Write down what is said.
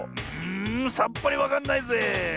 んさっぱりわかんないぜ。